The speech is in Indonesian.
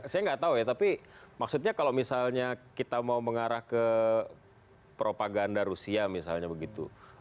saya nggak tahu ya tapi maksudnya kalau misalnya kita mau mengarah ke propaganda rusia misalnya begitu